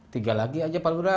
tiga lagi aja pak lurah